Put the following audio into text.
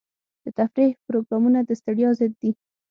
د تفریح پروګرامونه د ستړیا ضد دي.